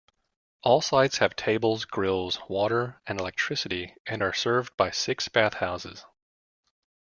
All sites have tables, grills, water, and electricity and are served by six bathhouses.